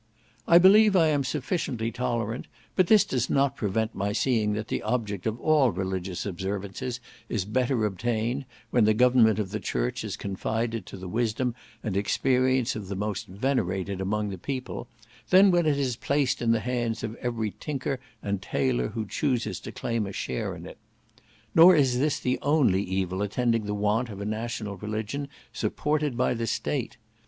I believe I am sufficiently tolerant; but this does not prevent my seeing that the object of all religious observances is better obtained, when the government of the church is confided to the wisdom and experience of the most venerated among the people, than when it is placed in the hands of every tinker and tailor who chooses to claim a share in it. Nor is this the only evil attending the want of a national religion, supported by the State.